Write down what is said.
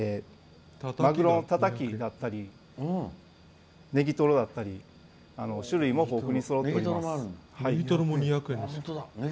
マグロのたたきだったりネギトロだったり種類も豊富にそろっています。